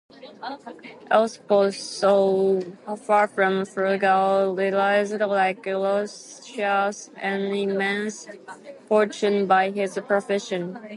Aesopus, though far from frugal, realized, like Roscius, an immense fortune by his profession.